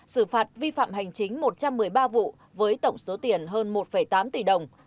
xử phạt vi phạm hành chính một trăm một mươi ba vụ với tổng số tiền hơn một tám tỷ đồng